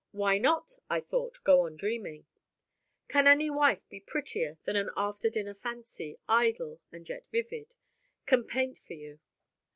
Why not, I thought, go on dreaming? Can any wife be prettier than an after dinner fancy, idle and yet vivid, can paint for you?